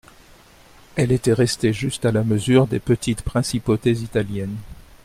Elle était restée juste à la mesure des petites principautés italiennes.